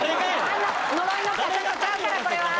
あんな呪いの傘とちゃうからこれは！